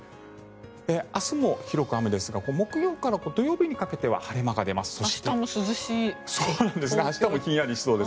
明日も広く雨ですが木曜から土曜日にかけては明日も涼しい。